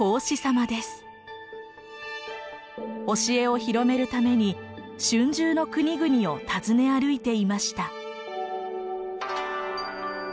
教えを広めるために春秋の国々を訪ね歩いていました。